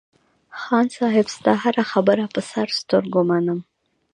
خان صاحب ستا هره خبره په سر سترگو منم.